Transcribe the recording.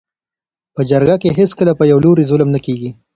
. په جرګه کي هیڅکله په یوه لوري ظلم نه کيږي.